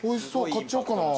買っちゃおうかな。